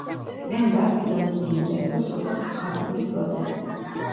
ლენდ-არტი გაგებული უნდა იყოს როგორც მხატვრული პროტესტი.